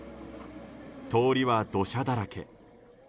通りは土砂だらけ。